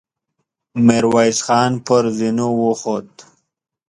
ميرويس خان پر زينو وخوت.